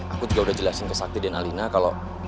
aku juga udah jelasin ke sakti dan alina kalau